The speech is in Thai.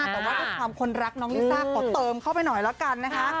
แต่ว่าด้วยความคนรักน้องลิซ่าขอเติมเข้าไปหน่อยแล้วกันนะคะ